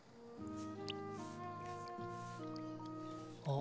あ。